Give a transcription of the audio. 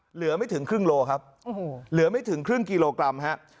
เหลือไม่ถึงครึ่งโลครับหลือไม่ถึงครึ่งกิโลกรัมครับ